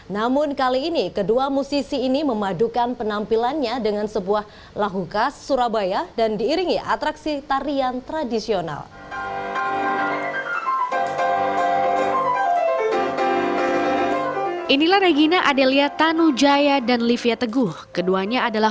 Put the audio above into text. namun kali ini kedua musisi ini memadukan penampilannya dengan sebuah lagu khas surabaya dan diiringi atraksi tarian tradisional